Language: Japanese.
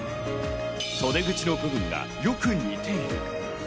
袖口の部分がよく似ている。